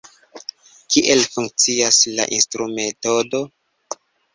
Kiel funkcias la instrumetodo?